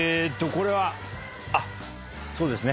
これはあっそうですね。